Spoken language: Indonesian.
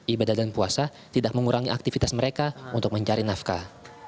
ibadah dan puasa tidak mengurangi aktivitas mereka untuk mencari nafkah